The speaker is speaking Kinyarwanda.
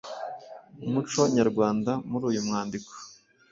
umuco nyarwanda muri uyu mwandiko?